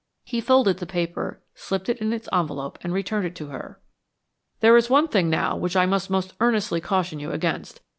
He folded the paper, slipped it in its envelope and returned it to her. "There is one thing now which I must most earnestly caution you against.